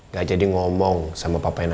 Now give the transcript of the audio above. gak jadi ngomong sama papa nadia